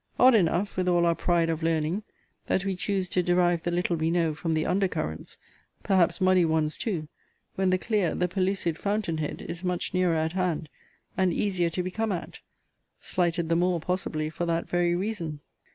Odd enough, with all our pride of learning, that we choose to derive the little we know from the under currents, perhaps muddy ones too, when the clear, the pellucid fountain head, is much nearer at hand, and easier to be come at slighted the more, possibly, for that very reason!